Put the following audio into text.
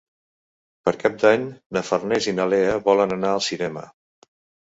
Per Cap d'Any na Farners i na Lea volen anar al cinema.